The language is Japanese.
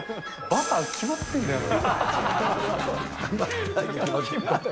バター、決まってんだよな。